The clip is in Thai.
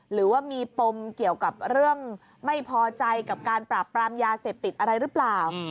หรือว่ามีปมเกี่ยวกับเรื่องไม่พอใจกับการปราบปรามยาเสพติดอะไรหรือเปล่า